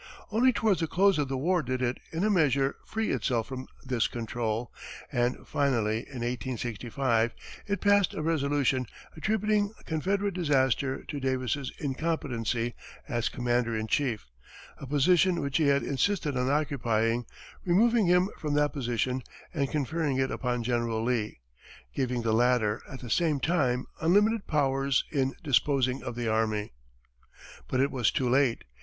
Only toward the close of the war did it, in a measure, free itself from this control, and, finally, in 1865, it passed a resolution attributing Confederate disaster to Davis's incompetency as commander in chief, a position which he had insisted on occupying; removing him from that position and conferring it upon General Lee, giving the latter, at the same time, unlimited powers in disposing of the army. But it was too late.